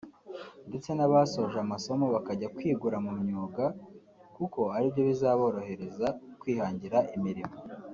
ndetse n’abasoje amaso bakajya kwigura mu myuga kuko aribyo bizaborohereza kwihangira imirimo